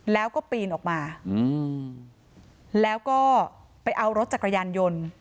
แล้วก็ปีนออกมาแล้วก็ไปเอารถจักรยานยนต์